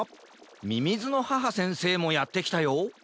みみずのはは先生もやってきたよ